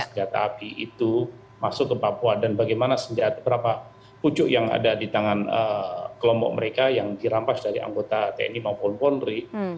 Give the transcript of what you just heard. senjata api itu masuk ke papua dan bagaimana senjata berapa pucuk yang ada di tangan kelompok mereka yang dirampas dari anggota tni maupun polri